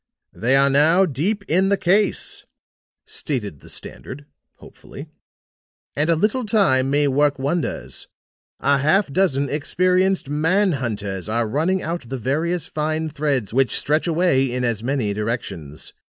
"They are now deep in the case," stated the Standard, hopefully, "and a little time may work wonders. A half dozen experienced man hunters are running out the various fine threads which stretch away in as many directions.